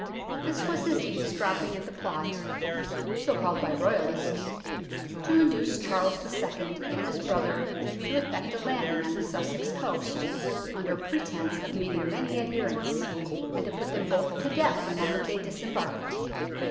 This was his eavesdropping at the plot (so called by Royalists) to induce Charles II. and his brother to effect a landing on the Sussex coast, under pretence of meeting many adherents, and to put them both to death the moment they disembarked.